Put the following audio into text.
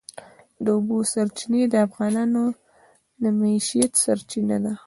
د اوبو سرچینې د افغانانو د معیشت سرچینه ده.